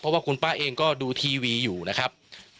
เพราะว่าคุณป้าเองก็ดูทีวีอยู่นะครับ